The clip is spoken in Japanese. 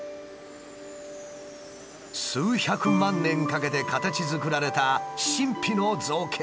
数百万年かけて形づくられた神秘の造形の数々。